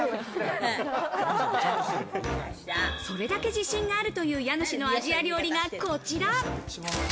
それだけ自信があるという家主のアジア料理がこちら。